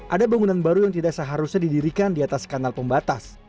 ada bangunan baru yang tidak seharusnya didirikan di atas kanal pembatas